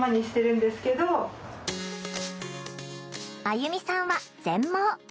あゆみさんは全盲。